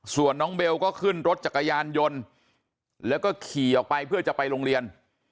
ส่วนน้องเบลก็ขึ้นรถจักรยานยนต์แล้วก็ขี่ออกไปเพื่อจะไปโรงเรียน